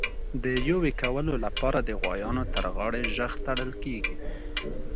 د یویې کولو لپاره د غوایانو تر غاړي ژغ تړل کېږي.